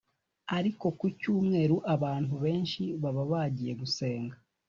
ariko ku Cyumweru abantu benshi baba bagiye gusenga